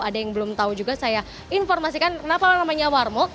ada yang belum tahu juga saya informasikan kenapa namanya warmo